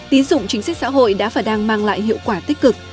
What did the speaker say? tín dụng chính sách xã hội đã và đang mang lại hiệu quả tích cực